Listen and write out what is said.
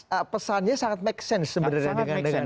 jadi pesannya sangat make sense sebenarnya dengan indonesia terkini